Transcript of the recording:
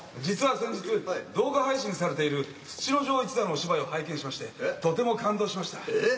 実は先日動画配信されているすちの丞一座のお芝居を拝見しましてとても感動しました。